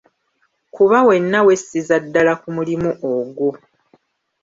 Kuba wenna wessiza ddala ku mulimo ogwo.